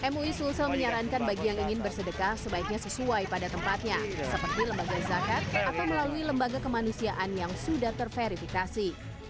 mui sulsel menyarankan bagi yang ingin bersedekah sebaiknya sesuai pada tempatnya seperti lembaga zakat atau melalui lembaga kemanusiaan yang sudah terverifikasi